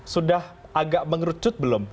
sudah agak mengerucut belum